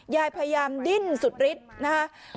ยายพยายามดิ้นสุดฤทธิ์นะครับ